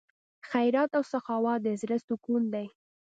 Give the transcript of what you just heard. خیرات او سخاوت د زړه سکون دی.